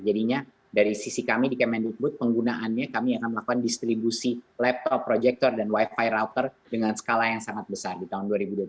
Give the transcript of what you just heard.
jadinya dari sisi kami di kemendikbud penggunaannya kami akan melakukan distribusi laptop projector dan wifi router dengan skala yang sangat besar di tahun dua ribu dua puluh satu